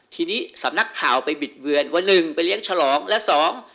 ทีนี้สำนักข่าวไปบิดเวือนว่าหนึ่งไปเลี้ยงฉลองและสอง